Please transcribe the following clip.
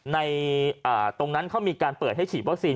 ในตรงนั้นเขามีการเปิดให้ฉีดวัคซีน